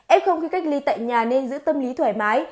ép không khi cách ly tại nhà nên giữ tâm lý thoải mái